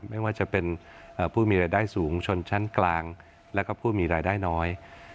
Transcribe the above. ไม่ว่าจะเป็นผู้มีรายได้สูงชนชั้นกลางและผู้มีรายได้น้อย